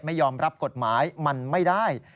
ไม่ยอมรับกฎหมายมันไม่ได้